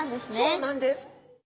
そうなんです！